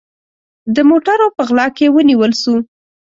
د موټروپه غلا کې ونیول سو